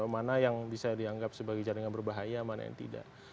mana yang bisa dianggap sebagai jaringan berbahaya mana yang tidak